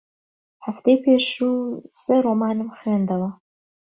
هەفتەی پێشوو سێ ڕۆمانم خوێندەوە.